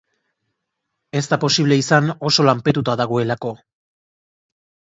Ez da posible izan oso lanpetuta dagoelako.